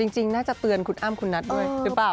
จริงน่าจะเตือนคุณอ้ำคุณนัทด้วยหรือเปล่า